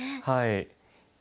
はい。